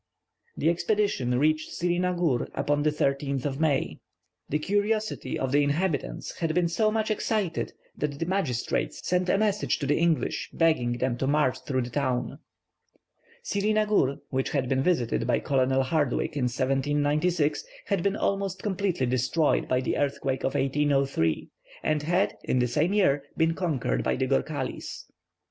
The expedition reached Sirinagur upon the 13th of May. The curiosity of the inhabitants had been so much excited that the magistrates sent a message to the English begging them to march through the town. Sirinagur, which had been visited by Colonel Hardwick in 1796, had been almost completely destroyed by the earthquake of 1803, and had in the same year been conquered by the Gorkhalis.